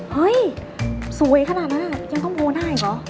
เฮ้ยสวยขนาดนั้นยังต้องโมหน้าอีกเหรอ